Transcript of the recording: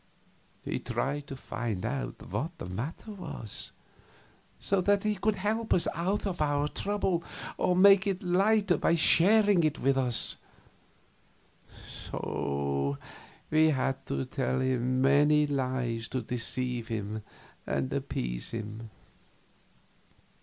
He tried to find out what the matter was, so that he could help us out of our trouble or make it lighter by sharing it with us; so we had to tell many lies to deceive him and appease him.